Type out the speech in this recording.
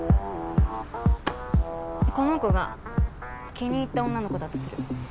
この子が気に入った女の子だとする。